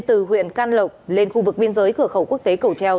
từ huyện can lộc lên khu vực biên giới cửa khẩu quốc tế cầu treo